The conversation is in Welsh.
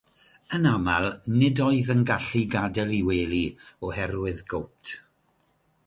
Yn aml, nid oedd yn gallu gadael ei wely oherwydd gowt.